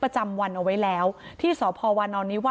ประจำวันเอาไว้แล้วที่สพวนนว